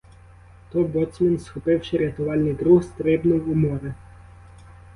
То боцман, схопивши рятувальний круг, стрибнув у море.